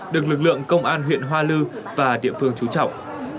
được lực lượng công an huyện hoa lư và địa phương trú trọng